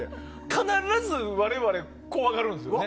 必ず我々、怖がるんですよね。